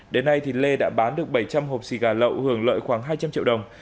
đến nay lê đã bán được bảy trăm linh hộp xì gà lậu hưởng lợi khoảng hai trăm linh triệu đồng